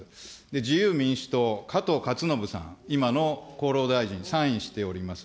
自由民主党、加藤勝信さん、今の厚労大臣、サインしております。